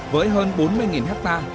với hơn bốn mươi hectare